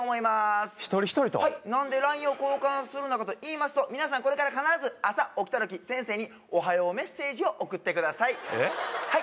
何でＬＩＮＥを交換するのかといいますと皆さんこれから必ず朝起きた時先生におはようメッセージを送ってくださいえっ何で？